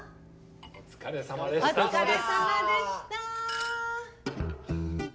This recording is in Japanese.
お疲れさまでした。